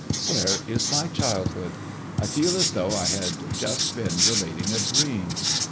Where is my childhood? I feel as though I had just been relating a dream.